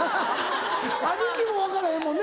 兄貴も分からへんもんね。